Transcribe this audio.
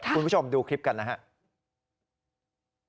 คุณผู้ชมดูคลิปกันนะครับ